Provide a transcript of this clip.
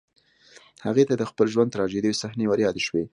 هغې ته د خپل ژوند تراژيدي صحنې وريادې شوې